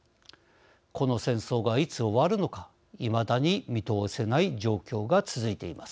この戦争がいつ終わるのかいまだに見通せない状況が続いています。